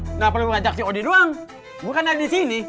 kenapa lu ajak si odi doang gua kan ada di sini